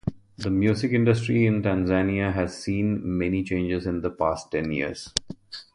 The music industry in Tanzania has seen many changes in the past ten years.